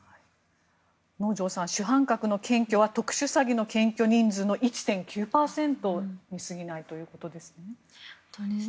能條さん、主犯格の検挙は特殊詐欺の検挙人数の１．９％に過ぎないということです。